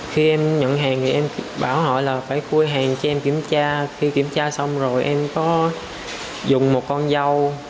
khi em nhận hàng thì em bảo họ là phải cua hàng cho em kiểm tra khi kiểm tra xong rồi em có dùng một con dao